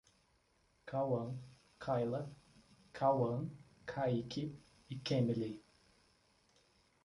Cauam, Kaila, Kauam, Kaiky e Kemilly